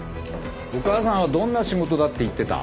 お母さんはどんな仕事だって言ってた？